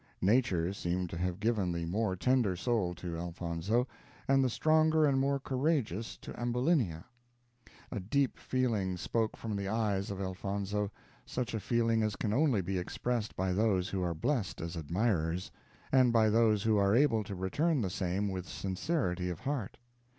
Nature seemed to have given the more tender soul to Elfonzo, and the stronger and more courageous to Ambulinia. A deep feeling spoke from the eyes of Elfonzo such a feeling as can only be expressed by those who are blessed as admirers, and by those who are able to return the same with sincerity of heart.